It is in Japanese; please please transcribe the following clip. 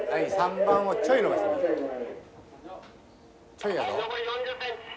ちょいやぞ。